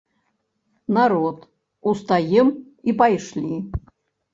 Народ, устаем і пайшлі!